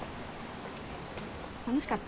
楽しかった？